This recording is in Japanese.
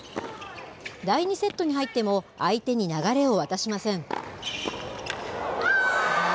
第２セットに入っても、相手に流れを渡しません。